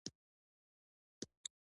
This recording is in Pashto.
ځمکه د حاصل ورکولو څخه پاتي کیږي.